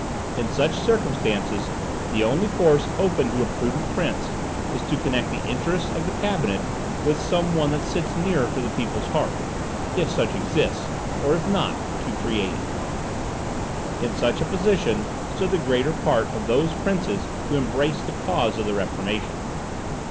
In such circumstances, the only course open to a prudent prince is to connect the interests of the cabinet with some one that sits nearer to the people's heart, if such exists, or if not, to create it. In such a position stood the greater part of those princes who embraced the cause of the Reformation.